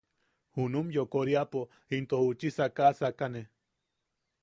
Junum yoʼokoriapo into juchi sakasakane.